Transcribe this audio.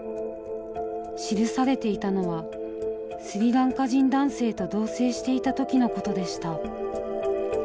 記されていたのはスリランカ人男性と同棲していた時のことでした。